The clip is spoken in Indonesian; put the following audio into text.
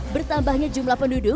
bertambahnya jumlah penyelamatan